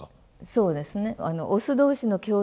そうですね。